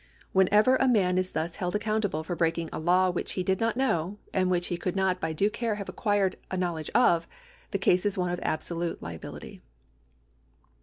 Whenever a man is thus held accoimtable for breaking a law which he did not know, and which he could not by due care have acquired a knowledge of, the case is one of absolute liability.